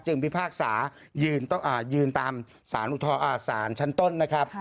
พิพากษายืนตามสารชั้นต้นนะครับ